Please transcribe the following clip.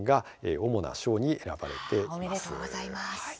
おめでとうございます。